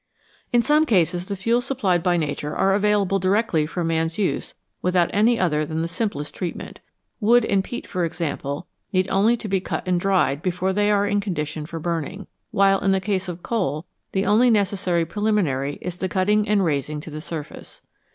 In some cases the fuels supplied by Nature are available directly for man's use without any other than the simplest treatment. Wood and peat, for example, need only to be cut and dried before they are in condition for burning, while in the case of coal the only necessary preliminary is the cutting and raising to the surface.